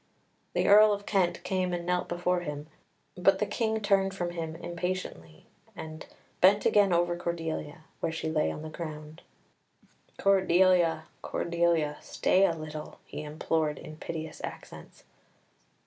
The Earl of Kent came and knelt before him, but the King turned from him impatiently, and bent again over Cordelia, where she lay on the ground. "Cordelia, Cordelia! Stay a little!" he implored in piteous accents.